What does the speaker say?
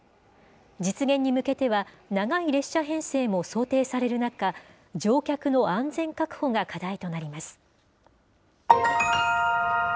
実現に向けては、長い列車編成も想定される中、乗客の安全確保が課題となります。